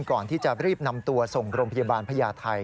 ก่อนที่จะรีบนำตัวส่งโรงพยาบาลพญาไทย